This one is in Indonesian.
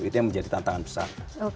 itu yang menjadi tantangan besar